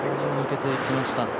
右に抜けていきました。